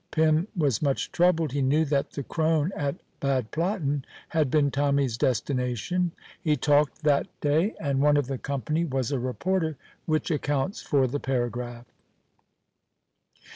Pym was much troubled; he knew that the Krone at Bad Platten had been Tommy's destination. He talked that day, and one of the company was a reporter, which accounts for the paragraph.